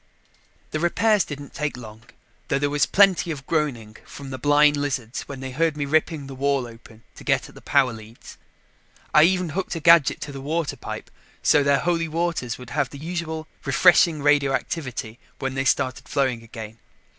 The repairs didn't take long, though there was plenty of groaning from the blind lizards when they heard me ripping the wall open to get at the power leads. I even hooked a gadget to the water pipe so their Holy Waters would have the usual refreshing radioactivity when they started flowing again.